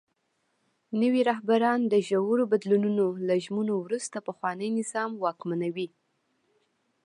نوي رهبران د ژورو بدلونونو له ژمنو وروسته پخواني نظام واکمنوي.